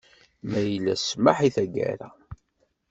Ma yella smaḥ i taggara.